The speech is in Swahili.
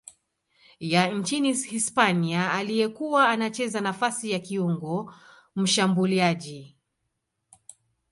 ya nchini Hispania aliyekuwa anacheza nafasi ya kiungo mshambuliaji.